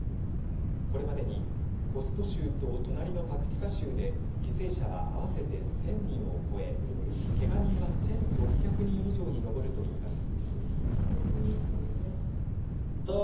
これまでにホスト州と隣のパクティカ州で犠牲者は合わせて１０００人を超えけが人は１６００人以上に上るといいます。